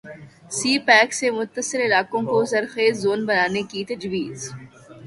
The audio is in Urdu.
سی پیک سے متصل علاقوں کو ذرخیز زون بنانے کی تجویز